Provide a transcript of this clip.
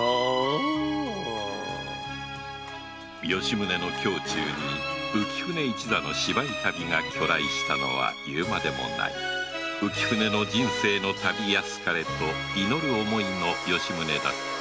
吉宗の胸中に浮舟一座の芝居旅が去来したのは言うまでもない浮舟の人生の旅安かれと祈る思いの吉宗だった